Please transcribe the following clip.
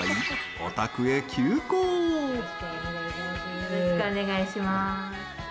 よろしくお願いします。